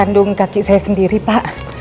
kandung kaki saya sendiri pak